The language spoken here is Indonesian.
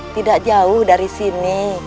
tidak jauh dari sini